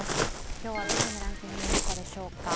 今日はどのようなランキングになったでしょうか。